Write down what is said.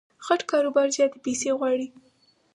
غټ کاروبار زیاتي پیسې غواړي.